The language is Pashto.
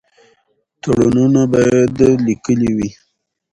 تړونونه باید لیکلي وي.